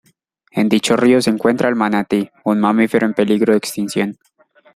En dicho río se encuentra el manatí, un mamífero en peligro de extinción.